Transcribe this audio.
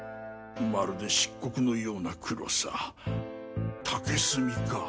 まるで漆黒のような黒さ竹炭か！